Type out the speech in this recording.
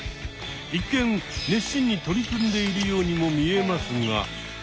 一見熱心に取り組んでいるようにも見えますが。